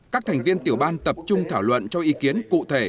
các thành viên tiểu ban tập trung thảo luận cho ý kiến cụ thể